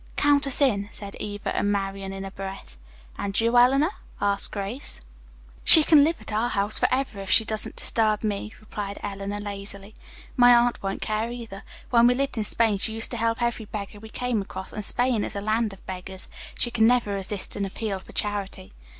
"Count us in," said Eva and Marian in a breath. "And you, Eleanor?" asked Grace. "She can live at our house forever, if she doesn't disturb me," replied Eleanor lazily. "My aunt won't care, either. When we lived in Spain she used to help every beggar we came across, and Spain is a land of beggars. She never can resist an appeal for charity."